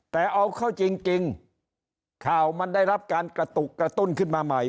แต่เอาเข้าจริงข่าวมันได้รับการกระตุกกระตุ้นขึ้นมาใหม่